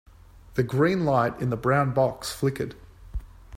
The green light in the brown box flickered.